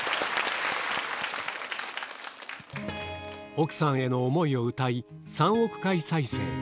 奥さんへの思いを歌い３億回再生